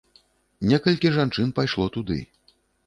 Некалькі жанчын пайшло туды.